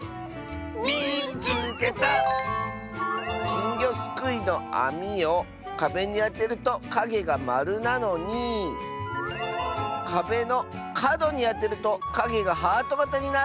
「きんぎょすくいのあみをかべにあてるとかげがまるなのにかべのかどにあてるとかげがハートがたになる！」。